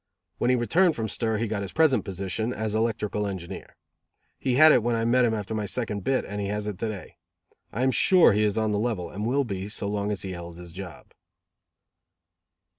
When he returned from stir he got his present position as electrical engineer. He had it when I met him after my second bit and he has it to day. I am sure he is on the level and will be so as long as he holds his job.